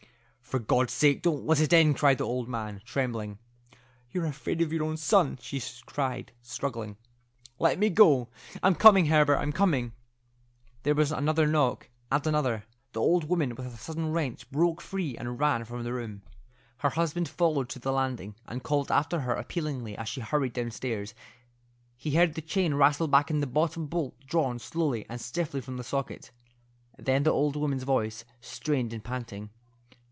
"For God's sake don't let it in," cried the old man, trembling. "You're afraid of your own son," she cried, struggling. "Let me go. I'm coming, Herbert; I'm coming." There was another knock, and another. The old woman with a sudden wrench broke free and ran from the room. Her husband followed to the landing, and called after her appealingly as she hurried downstairs. He heard the chain rattle back and the bottom bolt drawn slowly and stiffly from the socket. Then the old woman's voice, strained and panting.